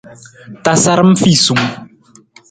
Tasaram fiisung.